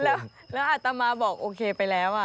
แล้วอาตมาบอกโอเคไปแล้ว